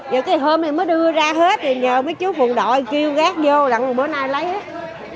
giờ cái hôm này mới đưa ra hết nhờ mấy chú phùng đội kêu rác vô đặng vô nay lấy hết